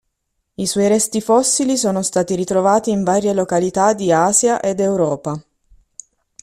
I suoi resti fossili sono stati ritrovati in varie località di Asia ed Europa.